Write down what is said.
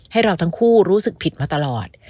ให้เราทั้งคู่รู้สึกผิดมาตลอด